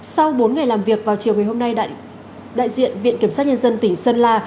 sau bốn ngày làm việc vào chiều ngày hôm nay đại diện viện kiểm sát nhân dân tỉnh sơn la